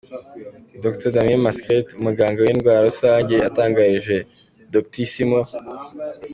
Dr Damien Mascret, umuganga w’indwara rusange, yatangarije Doctissimo.